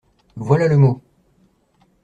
Voilà le mot!